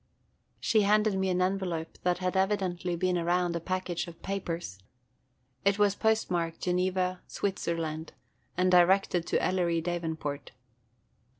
She handed me an envelope that had evidently been around a package of papers. It was postmarked Geneva, Switzerland, and directed to Ellery Davenport.